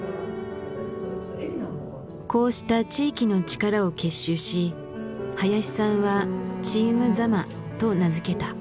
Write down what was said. こうした地域の力を結集し林さんは「チーム座間」と名付けた。